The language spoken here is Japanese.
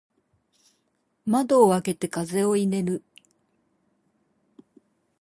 窓を開けて風を入れる。